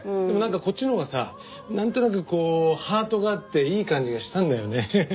でもなんかこっちのほうがさなんとなくこうハートがあっていい感じがしたんだよね。